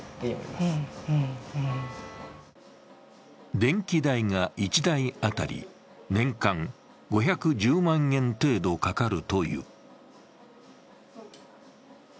電気代が１台当たり、年間５１０万円程度かかるという。